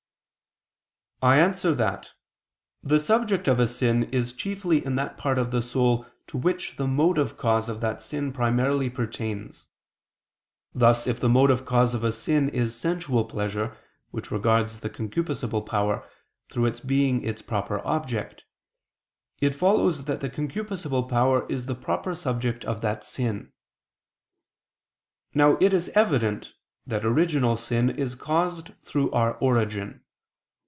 I answer that, The subject of a sin is chiefly that part of the soul to which the motive cause of that sin primarily pertains: thus if the motive cause of a sin is sensual pleasure, which regards the concupiscible power through being its proper object, it follows that the concupiscible power is the proper subject of that sin. Now it is evident that original sin is caused through our origin.